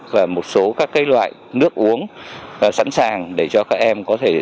và một số các loại nước uống sẵn sàng để cho các em có thể